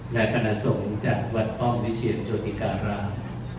ในขณะส่งจากวัดอ้อมวิเชียรโจฏิการาม